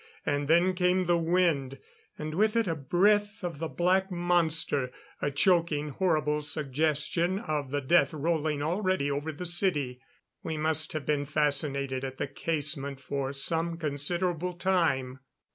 And then came the wind, and with it a breath of the black monster a choking, horrible suggestion of the death rolling already over the city. We must have been fascinated at the casement for some considerable time.